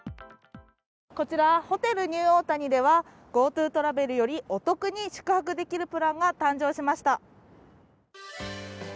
こちらホテルニューオータニではＧｏＴｏトラベルよりお得に宿泊できるプランが誕生しました。